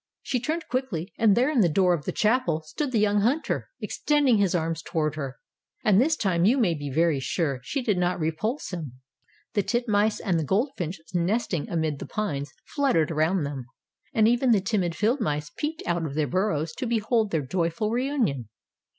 She turned quickly, and there in the door of the chapel stood the young hunter, extend ing his arms toward her. And this time, you may be very sure, she did not repulse him. The tit mice and the gold finch nesting amid the pines fluttered around them, and even the timid field mice peeped out of their burrows to behold their joyful re union.